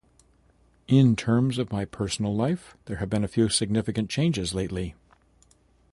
In terms of my personal life, there have been a few significant changes lately.